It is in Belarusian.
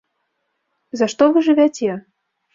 За што вы жывяце?